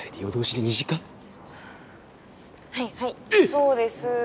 はぁはいはいそうです。